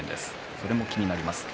それも気になります。